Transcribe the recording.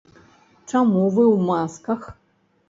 Чаму вы ў масках?